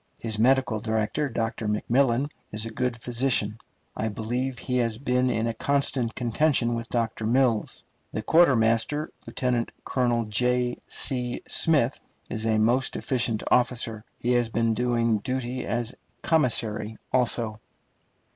His medical director, Dr. McMillan, is a good physician, I believe; he has been in a constant contention with Dr. Mills. The quartermaster, Lieutenant Colonel J. C. Smith, is a most efficient officer; he has been doing duty as commissary also.